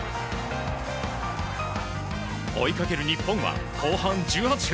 追いかける日本は後半１８分。